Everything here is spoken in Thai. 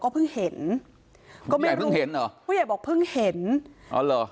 ก็เพิ่งเห็นเพิ่งเห็นหรอผู้ใหญ่บอกเพิ่งเห็นอ๋อหรอ